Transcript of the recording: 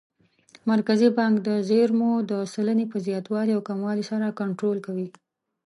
مرکزي بانک د زېرمو د سلنې په زیاتوالي او کموالي سره کنټرول کوي.